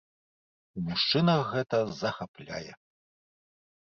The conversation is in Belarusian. У мужчынах гэта захапляе.